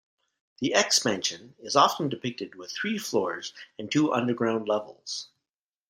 The X-Mansion is often depicted with three floors and two underground levels.